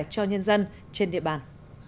cho nhân dân trên địa bàn